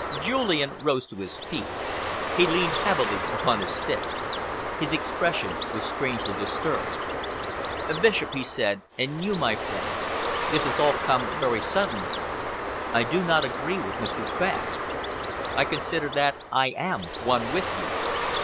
Julian rose to his feet. He leaned heavily upon his stick. His expression was strangely disturbed. "Bishop," he said, "and you, my friends, this has all come very suddenly. I do not agree with Mr. Fenn. I consider that I am one with you.